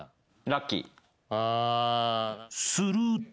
［すると］